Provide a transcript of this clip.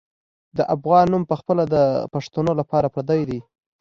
د افغان نوم پخپله د پښتنو لپاره پردی دی.